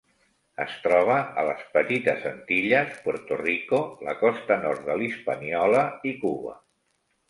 Es troba a les Petites Antilles, Puerto Rico, la costa nord de l'Hispaniola i Cuba.